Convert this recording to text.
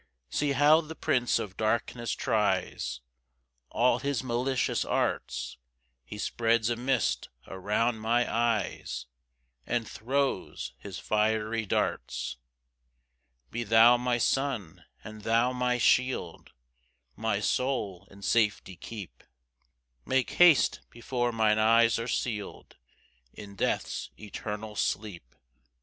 3 See how the prince of darkness tries All his malicious arts, He spreads a mist around my eyes, And throws his fiery darts. 4 Be thou my sun and thou my shield, My soul in safety keep; Make haste before mine eyes are seal'd In death's eternal sleep.